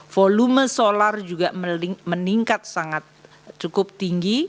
volume solar juga meningkat cukup tinggi